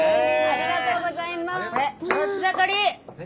ありがとうございます。